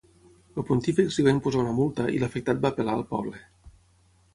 El Pontífex li va imposar una multa i l’afectat va apel·lar al poble.